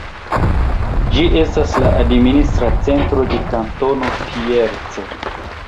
Ĝi estas la administra centro de Kantono Pierce.